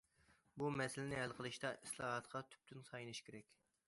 بۇ مەسىلىنى ھەل قىلىشتا ئىسلاھاتقا تۈپتىن تايىنىش كېرەك.